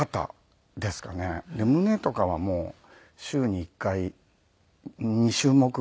胸とかはもう週に１回２種目ぐらい。